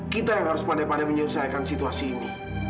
kita yang harus pandai pada menyelesaikan situasi ini